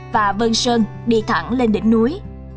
và vân sơn đi thẳng lên đỉnh núi